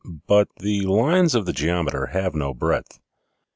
But the lines of the geometer have no breadth.